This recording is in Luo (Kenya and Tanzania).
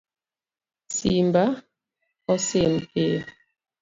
Simba osim piyo